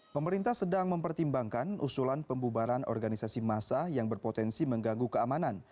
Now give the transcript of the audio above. pemerintah sedang mempertimbangkan usulan pembubaran organisasi massa yang berpotensi mengganggu keamanan